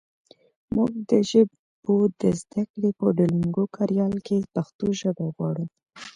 مونږ د ژبو د زده کړې په ډولونګو کاریال کې پښتو ژبه غواړو